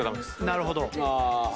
なるほど。